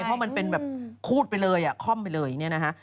เพราะมันเป็นแบบคูดไปเลยค่อมไปเลยเนี่ยนะฮะ